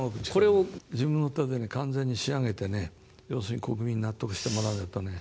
これを自分のときに完全に仕上げてね、要するに国民に納得してもらわないと。